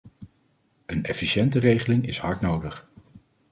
Een efficiënte regeling is hard nodig.